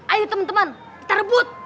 ayo teman teman kita rebut